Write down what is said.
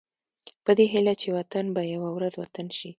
په دې هيله چې وطن به يوه ورځ وطن شي.